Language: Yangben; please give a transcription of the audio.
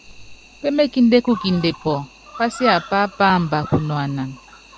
Pémékindé kukinde pɔ́ɔ́, pasiápá páamba kunuanana.